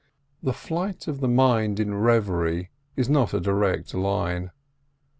The flight of the mind in reverie is not in a direct line.